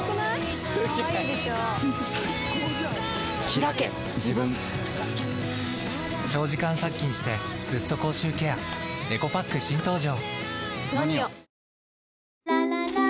ひらけ自分長時間殺菌してずっと口臭ケアエコパック新登場！